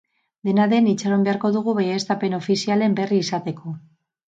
Dena den, itxaron beharko dugu baieztapen ofizialen berri izateko.